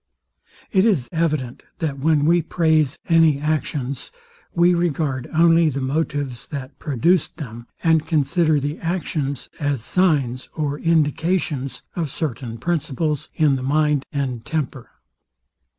It is evident, that when we praise any actions, we regard only the motives that produced them, and consider the actions as signs or indications of certain principles in the mind and temper.